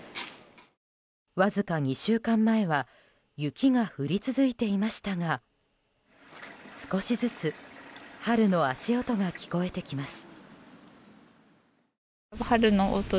わずか２週間前は雪が降り続いていましたが少しずつ春の足音が聞こえてきます。